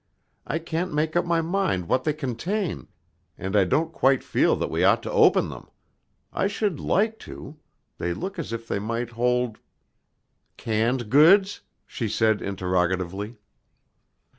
I can't make up my mind what they contain, and I don't quite feel that we ought to open them; I should like to; they look as if they might hold " "Canned goods?" she said interrogatively.